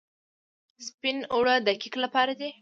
سپین اوړه د کیک لپاره دي.